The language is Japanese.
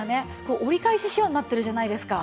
折り返し仕様になってるじゃないですか。